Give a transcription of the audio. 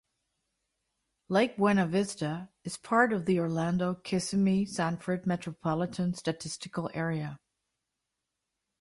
Lake Buena Vista is part of the Orlando-Kissimmee-Sanford Metropolitan Statistical Area.